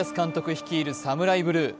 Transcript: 率いるサムライブルー。